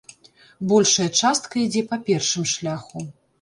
Большая частка ідзе па першым шляху.